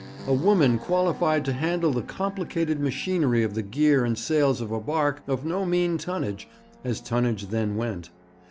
A woman qualified to handle the complicated machinery of the gear and sails of a barque of no mean tonnage, as tonnage then went!